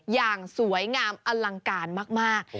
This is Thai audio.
อย่างสวยงามอลังการมาก